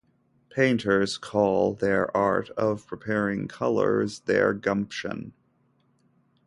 Painters call their art of preparing colours their gumption.